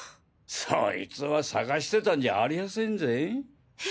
そいつは捜してたんじゃありやせんぜ。え？